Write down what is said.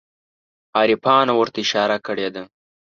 عارفانو ورته اشاره کړې ده.